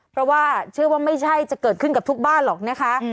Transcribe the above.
เพราะว่าเชื่อว่าไม่ใช่จะเกิดขึ้นกับทุกบ้านหรอกนะคะ